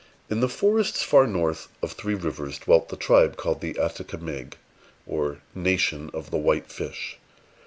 In the forests far north of Three Rivers dwelt the tribe called the Atticamegues, or Nation of the White Fish.